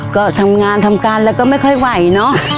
ก็ทำงานทำการแล้วก็ไม่ค่อยไหวเนอะ